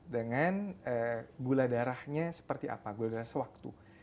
dengan gula darahnya seperti apa gula darah sewaktu